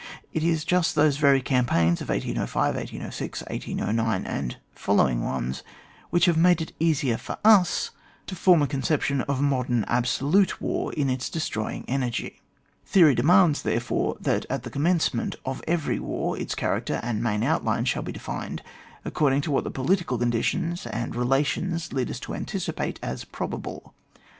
It is just those very cam paigns of 1805, 1806, 1809, and following ones, which have made it easier for us to 48 ON WAR. \ .[book vni. form a conception of modem absolute war in its destroying energy. Theory demands^ therefore, that at the commencement of every war its cha racter and ntfkin outline shall be defined according to what the political conditions and relations lead us to anticipate as probable.